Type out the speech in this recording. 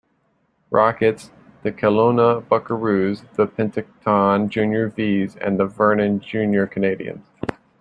Rockets, the Kelowna Buckaroos, the Penticton Junior Vees, and the Vernon Junior Canadians.